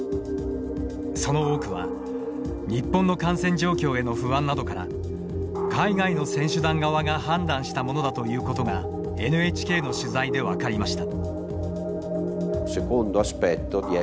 その多くは日本の感染状況への不安などから海外の選手団側が判断したものだということがＮＨＫの取材で分かりました。